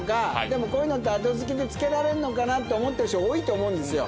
でもこういうのって後付けで付けられんのかなって思ってる人多いと思うんですよ。